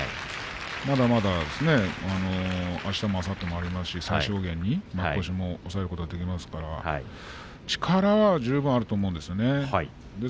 まだまだ、あしたもあさってもありますし最小限に負け越しも抑えることができますから力は十分にあると思うんです。